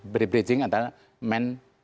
ber bridging antara man machine